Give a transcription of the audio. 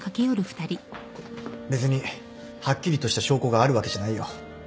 別にはっきりとした証拠があるわけじゃないよ。